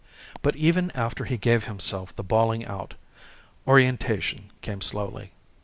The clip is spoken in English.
But even after he gave himself the bawling out, orientation came slowly.